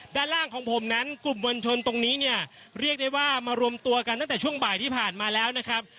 ด้านล่างของผมนั้นกลุ่มมวลชนตรงนี้เนี่ยเรียกได้ว่ามารวมตัวกันตั้งแต่ช่วงบ่ายที่ผ่านมาแล้วนะครับ